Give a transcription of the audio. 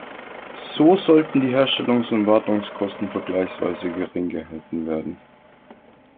So sollten die Herstellungs- und Wartungskosten vergleichsweise gering gehalten werden.